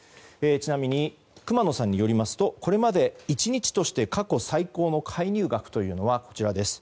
ちなみに熊野さんによりますとこれまで１日として過去最高の介入額というのはこちらです。